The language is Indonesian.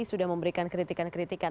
sudah memberikan kritikan kritikan